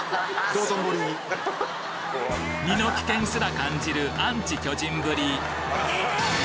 身の危険すら感じるアンチ巨人ぶり